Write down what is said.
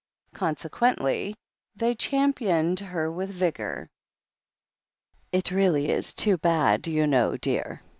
Conse quently they championed her with vigour. "It really is too bad, you know, dear.